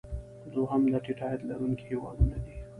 دوهم د ټیټ عاید لرونکي هیوادونه دي.